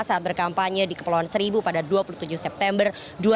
saat berkampanye di kepulauan seribu pada dua puluh tujuh september dua ribu dua puluh